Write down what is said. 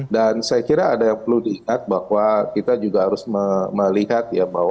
dan saya kira ada yang perlu diingat bahwa kita juga harus memiliki kemampuan untuk menjalankan kemampuan ini